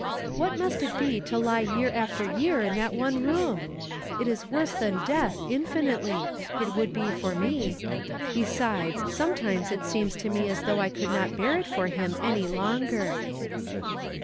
VVhat must it be to lie year after year in that one room! It is woi se than death, infinitely ; it would be for me. Sometimes it seems to me as though I could not bear it for him any longer."